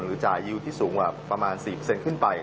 หรือจ่ายยูลที่สูงกว่าประมาณ๔ขึ้นไป